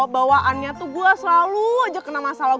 bawaannya tuh gue selalu aja kena masalah gue